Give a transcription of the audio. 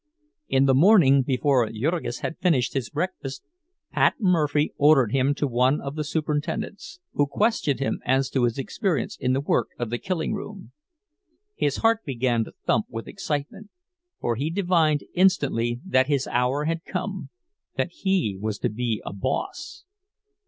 In the morning before Jurgis had finished his breakfast, "Pat" Murphy ordered him to one of the superintendents, who questioned him as to his experience in the work of the killing room. His heart began to thump with excitement, for he divined instantly that his hour had come—that he was to be a boss!